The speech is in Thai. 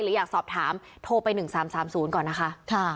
อยากสอบถามโทรไป๑๓๓๐ก่อนนะคะ